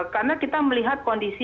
karena kita melihat kondisi